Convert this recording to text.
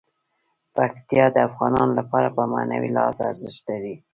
پکتیکا د افغانانو لپاره په معنوي لحاظ ارزښت لري.